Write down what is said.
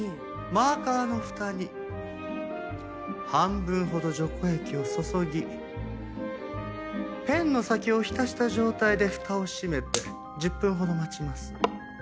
マーカーのふたに半分ほど除光液を注ぎペンの先を浸した状態でふたを閉めて１０分ほど待ちます。